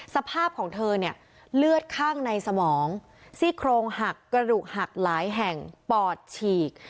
สภาพของเธอเนี่ยเลือดข้างในสมองซี่โครงหักกระดูกหักหลายแห่งปอดฉีก